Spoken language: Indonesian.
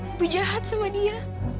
ibu jahat sama dia